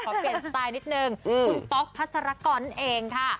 ขอเก่งสไตล์นิดนึงคุณป๊อกพัสรกรเองค่ะ